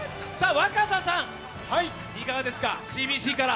若狭さん、いかがですか、ＣＢＣから。